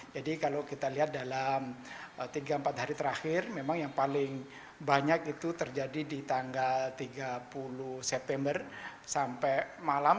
jadi kalau kita lihat dalam tiga empat hari terakhir memang yang paling banyak itu terjadi di tanggal tiga puluh september sampai malam